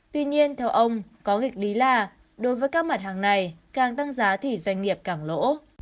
tuy nhiên theo ông có nghịch lý là đối với các mặt hàng này càng tăng giá thì doanh nghiệp càng lỗ